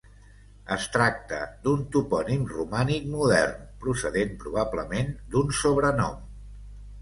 Es tracta d'un topònim romànic modern, procedent probablement d'un sobrenom.